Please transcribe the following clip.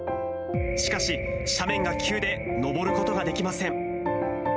しかし、斜面が急で登ることができません。